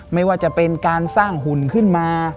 ไม่ว่าจะเป็นการสร้างหุ่นขึ้นมา